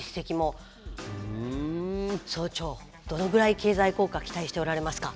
総長どのぐらい経済効果期待しておられますか？